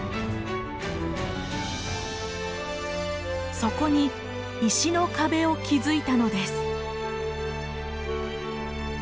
そこに石の壁を築いたのです。